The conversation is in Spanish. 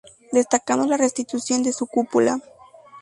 Destacando la restitución de su cúpula.